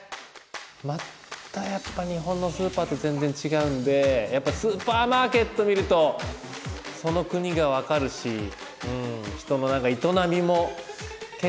またやっぱ日本のスーパーと全然違うんでやっぱスーパーマーケット見るとその国が分かるし人の営みも結構分かる感じがして。